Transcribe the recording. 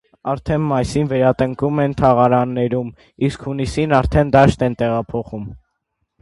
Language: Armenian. Արդեն մայիսին վերատնկում են թաղարներում, իսկ հունիսին արդեն դաշտ են տեղափոխում։